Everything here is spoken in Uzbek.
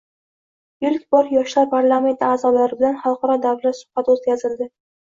Ilk bor Yoshlar parlamentlari aʼzolari bilan xalqaro davra suhbati oʻtkazildi.